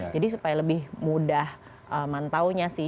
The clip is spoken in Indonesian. jadi supaya lebih mudah mantau nya sih